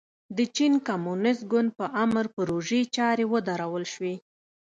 د چین کمونېست ګوند په امر پروژې چارې ودرول شوې.